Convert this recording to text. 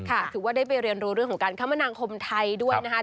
ถือว่าได้ไปเรียนรู้เรื่องของการคมนาคมไทยด้วยนะคะ